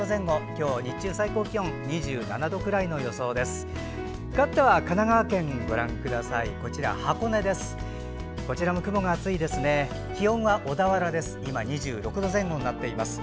今日、日中最高気温は２７度くらいの予想です。